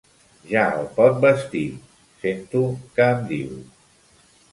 Ja el pot vestir —sento que em diu.